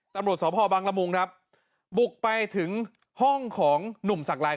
ตำรวจสพบังละมุงครับบุกไปถึงห้องของหนุ่มสักลาย